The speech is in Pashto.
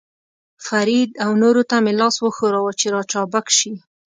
فرید او نورو ته مې لاس وښوراوه، چې را چابک شي.